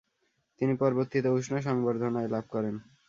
তিনি পরবর্তীতে উষ্ণ সংবর্ধনায় লাভ করেন।